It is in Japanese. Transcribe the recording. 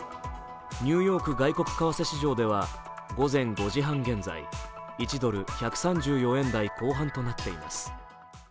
ニューヨーク外国為替市場では午前５時半現在１ドル＝１３４円台後半となっています。